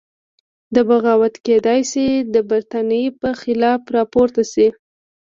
دا بغاوت کېدای شي د برتانیې په خلاف راپورته شي.